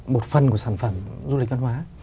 một phần của sản phẩm du lịch văn hóa